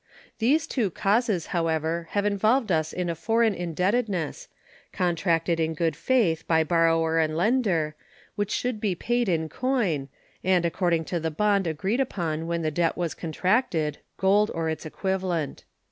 These two causes, however, have involved us in a foreign indebtedness, contracted in good faith by borrower and lender, which should be paid in coin, and according to the bond agreed upon when the debt was contracted gold or its equivalent.